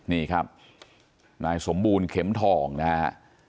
นี่ครับนายสมบูรณ์เข็มทองนะฮะ